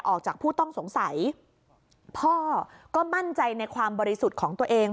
ออกจากผู้ต้องสงสัยพ่อก็มั่นใจในความบริสุทธิ์ของตัวเอง